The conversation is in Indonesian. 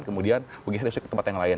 kemudian begitu terus ke tempat yang lain